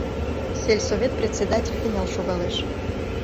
Сельсовет председатель кынел шогалеш.